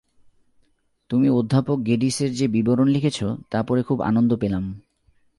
তুমি অধ্যাপক গেডিসের যে বিবরণ লিখেছ, তা পড়ে খুব আনন্দ পেলাম।